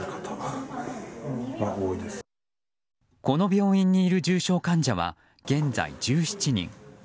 この病院にいる重症患者は現在、１７人。